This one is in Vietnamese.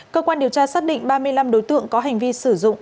cơ quan điều tra xác định ba mươi năm đối tượng có hành vi sử dụng